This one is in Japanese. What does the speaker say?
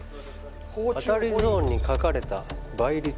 「当たりゾーンに書かれた倍率で」